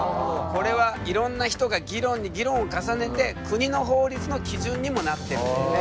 これはいろんな人が議論に議論を重ねて国の法律の基準にもなってるんだよね。